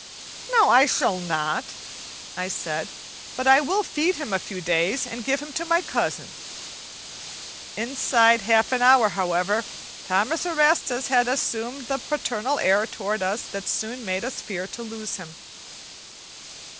"No, I shall not," I said, "but I will feed him a few days and give him to my cousin." Inside half an hour, however, Thomas Erastus had assumed the paternal air toward us that soon made us fear to lose him.